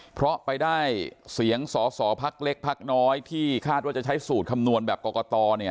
เพราะไปได้เสียงสอสอพักเล็กพักน้อยที่คาดว่าจะใช้สูตรคำนวณแบบกรกต